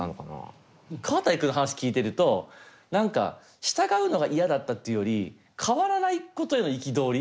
カワタイ君の話を聞いてると何か従うのが嫌だったっていうより変わらないことへの憤り。